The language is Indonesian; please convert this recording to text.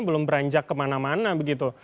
belum beranjak kemana mana begitu